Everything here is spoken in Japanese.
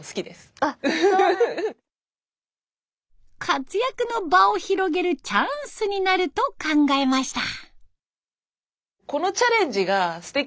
活躍の場を広げるチャンスになると考えました。